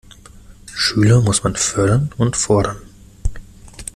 Schüler muss man fördern und fordern.